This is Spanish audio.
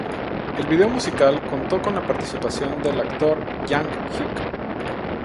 El video musical contó con la participación del actor Jang Hyuk.